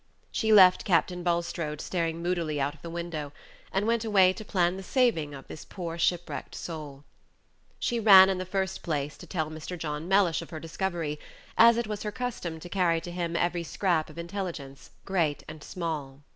She left Captain Bulstrode staring moodily out of the window, and went away to plan the saving of this poor shipwrecked soul. She ran, in the first place, to tell Mr. John Mellish of her discovery, as it was her custom Page 67 to carry to him every scrap of intelligence, great and small.